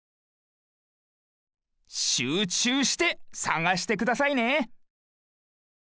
しゅうちゅうしてさがしてくださいね。